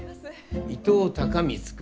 伊藤孝光君。